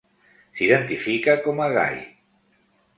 S'identifica com a gai.